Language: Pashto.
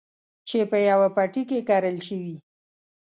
چې په يوه پټي کې کرل شوي.